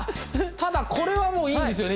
ただこれはもういいんですよね？